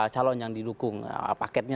calon yang didukung paketnya